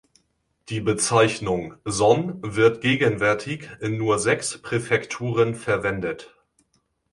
Die Bezeichnung "Son" wird gegenwärtig in nur sechs Präfekturen verwendet.